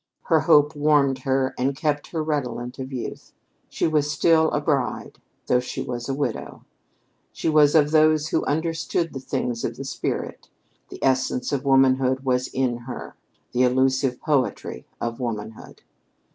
Her hope warmed her and kept her redolent of youth. She was still a bride, though she was a widow. She was of those who understood the things of the spirit. The essence of womanhood was in her the elusive poetry of womanhood.